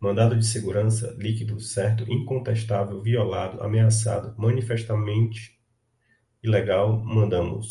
mandado de segurança, líquido, certo, incontestável, violado, ameaçado, manifestamente ilegal, mandamus